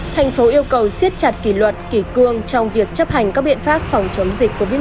thành phố yêu cầu siết chặt kỷ luật kỷ cương trong việc chấp hành các biện pháp phòng chống dịch covid một mươi chín